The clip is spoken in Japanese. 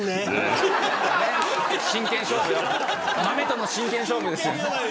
豆との真剣勝負ですよ。